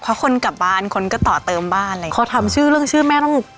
เพราะคนกลับบ้านคนก็ต่อเติมบ้านอะไรอย่างเงี้พอทำชื่อเรื่องชื่อแม่ต้อง